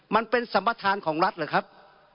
มันเป็นสัมประธานของรัฐหรือครับ